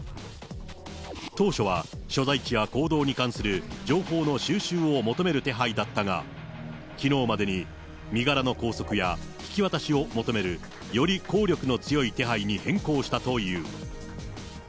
当初は所在地や行動に関する情報の収集を求める手配だったが、きのうまでに身柄の拘束や引き渡しを求めるより効力の強い手配に変更したという。